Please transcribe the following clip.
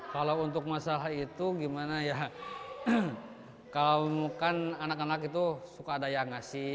kalau untuk masalah itu gimana ya kalau kan anak anak itu suka ada yang ngasih